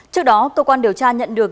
trước đó cơ quan điều tra nhận được